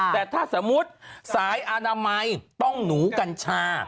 แต่ถ้าสมมุติสายอนามัยต้องหนูกัญชา